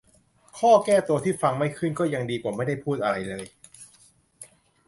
ข้อแก้ตัวที่ฟังไม่ขึ้นก็ยังดีกว่าไม่ได้พูดอะไรเลย